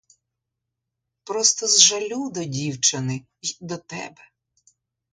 Просто з жалю до дівчини й до тебе.